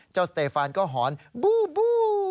เจ้าสเตฟานก็หอนบู้